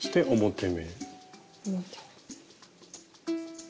表目。